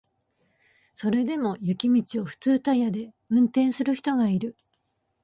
それでも雪道を普通タイヤで運転する人がいる